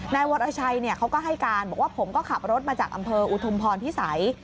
นายวรชัยเขาก็ให้การบอกว่าผมก็ขับรถมาจากอำเภออุทุมพรพิสัย